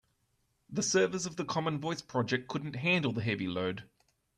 The servers of the common voice project couldn't handle the heavy load.